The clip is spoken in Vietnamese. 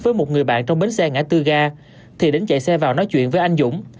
với một người bạn trong bến xe ngã tư ga thì đến chạy xe vào nói chuyện với anh dũng